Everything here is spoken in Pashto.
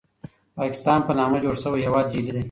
پاکستان په نامه جوړ شوی هېواد جعلي دی.